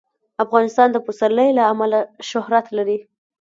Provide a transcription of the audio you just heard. افغانستان د پسرلی له امله شهرت لري.